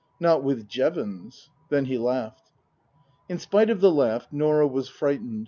" Not with Jevons." Then he laughed. In spite of the laugh Norah was frightened.